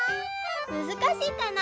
むずかしいかな？